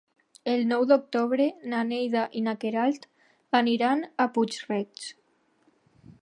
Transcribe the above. El nou d'octubre na Neida i na Queralt aniran a Puig-reig.